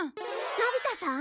のび太さん？